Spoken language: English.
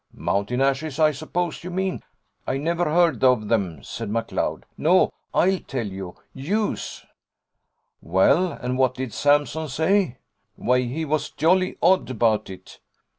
"Mountain ashes, I s'pose you mean." "I never heard of them," said McLeod; "no, I'll tell you yews." "Well, and what did Sampson say?" "Why, he was jolly odd about it.